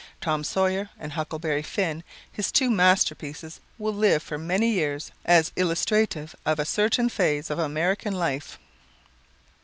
"Tom Sawyer" and "Huckleberry Finn," his two masterpieces, will live for many years as illustrative of a certain phase of American life."